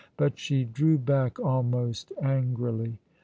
But she drew back almost angrily.